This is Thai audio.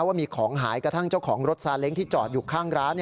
ว่ามีของหายกระทั่งเจ้าของรถซาเล้งที่จอดอยู่ข้างร้าน